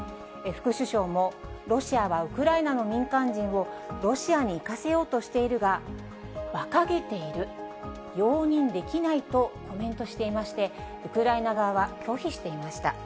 副首相も、ロシアはウクライナの民間人をロシアに行かせようとしているが、ばかげている、容認できないとコメントしていまして、ウクライナ側は拒否していました。